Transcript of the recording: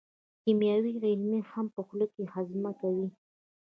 کیمیاوي عملیې هم په خوله کې هضم کوي.